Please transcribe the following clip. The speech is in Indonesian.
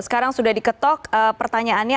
sekarang sudah diketok pertanyaannya